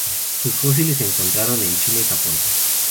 Sus fósiles se encontraron en China y Japón.